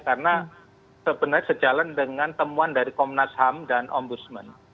karena sebenarnya sejalan dengan temuan dari komnas ham dan ombudsman